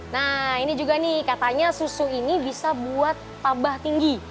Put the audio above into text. nah ini juga nih katanya susu ini bisa buat abah tinggi